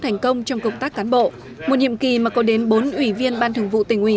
thành công trong công tác cán bộ một nhiệm kỳ mà có đến bốn ủy viên ban thường vụ tỉnh ủy